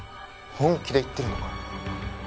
本気で言ってるのか？